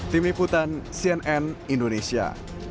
tim liputan cnn indonesia